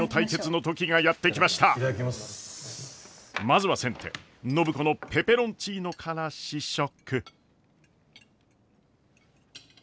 まずは先手暢子のペペロンチーノから試食。